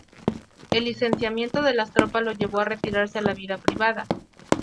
El licenciamiento de las tropas lo llevó a retirarse a la vida privada.